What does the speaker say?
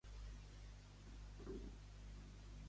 Va ser a Pàdua on va conèixer l'humanista Francesco Robortello?